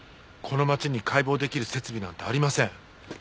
この町に解剖できる設備なんてありません。